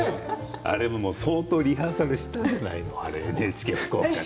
相当リハーサルしたじゃない、ＮＨＫ福岡で。